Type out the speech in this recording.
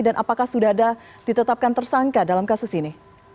dan apakah sudah ada ditetapkan tersangka dalam kasus ini